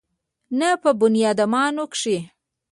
نه په بنيادامانو کښې.